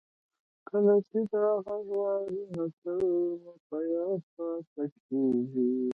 کله چې دا غږ واورئ نو تل مو په یاد پاتې کیږي